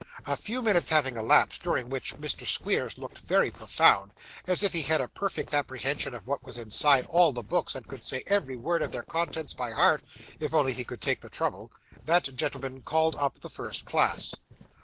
A few minutes having elapsed, during which Mr. Squeers looked very profound, as if he had a perfect apprehension of what was inside all the books, and could say every word of their contents by heart if he only chose to take the trouble, that gentleman called up the first class.